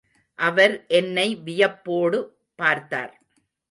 அவர் என்னை வியப்போடு பார்த்தார்.